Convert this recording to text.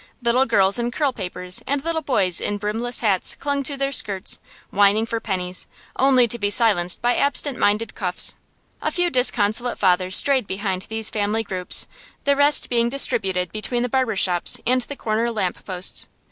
Little girls in curlpapers and little boys in brimless hats clung to their skirts, whining for pennies, only to be silenced by absent minded cuffs. A few disconsolate fathers strayed behind these family groups, the rest being distributed between the barber shops and the corner lamp posts.